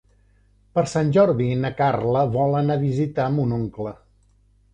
Per Sant Jordi na Carla vol anar a visitar mon oncle.